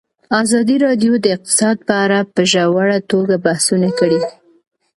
ازادي راډیو د اقتصاد په اړه په ژوره توګه بحثونه کړي.